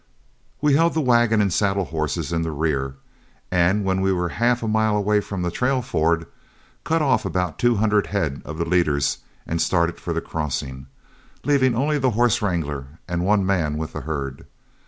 We held the wagon and saddle horses in the rear, and when we were half a mile away from the trail ford, cut off about two hundred head of the leaders and started for the crossing, leaving only the horse wrangler and one man with the herd.